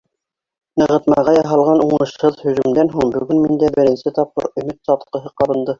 Нығытмаға яһалған уңышһыҙ һөжүмдән һуң бөгөн миндә беренсе тапҡыр өмөт сатҡыһы ҡабынды.